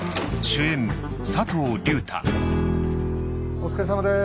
お疲れさまです。